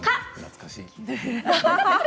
懐かしい。